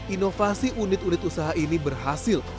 inovasi unit unit usaha ini berhasil